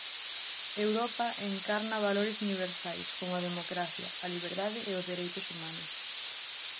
Europa encarna valores universais como a democracia, a liberdade e os dereitos humanos.